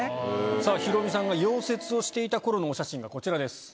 ヒロミさんが溶接をしていた頃のお写真がこちらです。